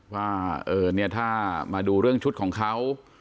ว่าถ้ามาดูเรื่องชุดของเขา